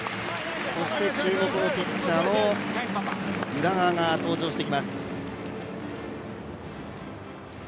そして注目のピッチャーの宇田川が登場してきます。